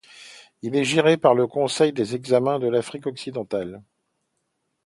Il est géré par le Conseil des examens de l'Afrique occidentale.